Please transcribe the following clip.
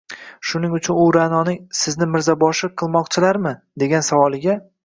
Shuning uchun u Ra’noning “Sizni mirzaboshi qilmoqchilarmi?” degan savoliga